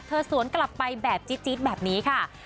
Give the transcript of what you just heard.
สวนกลับไปแบบจี๊ดแบบนี้ค่ะ